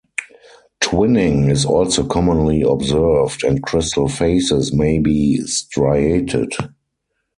Twinning is also commonly observed and crystal faces may be striated.